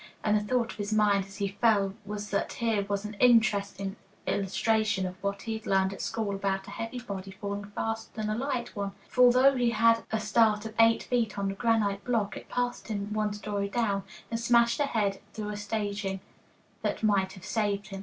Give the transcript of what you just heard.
And the thought in his mind as he fell was that here was an interesting illustration of what he had learned at school about a heavy body falling faster than a light one, for although he had a start of eight feet on the granite block, it passed him one story down, and smashed ahead through a staging that might have saved him.